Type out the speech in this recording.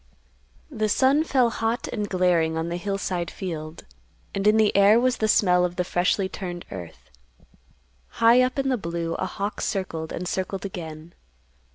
The sun fell hot and glaring on the hillside field, and in the air was the smell of the freshly turned earth. High up in the blue a hawk circled and circled again.